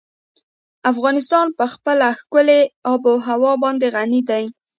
افغانستان په خپله ښکلې آب وهوا باندې غني دی.